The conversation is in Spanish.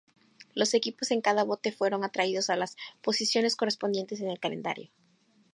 Los equipos en cada bote fueron atraídos a las posiciones correspondientes en el calendario.